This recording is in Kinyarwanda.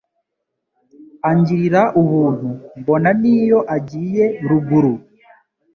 Angirira ubuntu mbona n'iyo agiye ruguru,